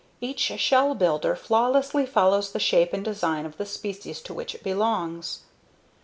Each shell builder flawlessly follows the shape and design of the species to which it belongs.